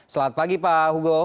selamat pagi pak hugo